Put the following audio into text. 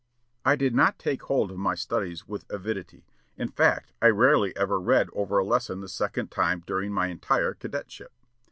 I did not take hold of my studies with avidity, in fact I rarely ever read over a lesson the second time during my entire cadetship.